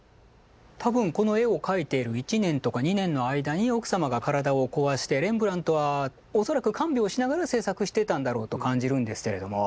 多分この絵を描いている１年とか２年の間に奥様が体を壊してレンブラントは恐らく看病をしながら制作していたんだろうと感じるんですけれども。